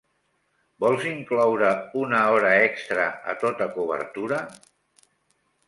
Vols incloure una hora extra a tota cobertura?